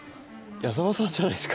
矢澤さんじゃないですか。